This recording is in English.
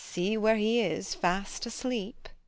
See, where he is, fast asleep.